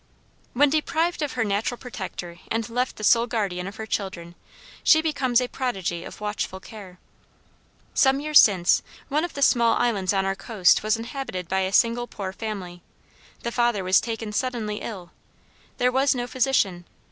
When deprived of her natural protector and left the sole guardian of her children she becomes a prodigy of watchful care. Some years since, one of the small islands on our coast was inhabited by a single poor family. The father was taken suddenly ill. There was no physician.